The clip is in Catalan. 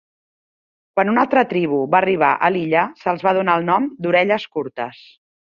Quan una altra tribu va arribar a l'illa, se'ls va donar el nom d'"orelles curtes".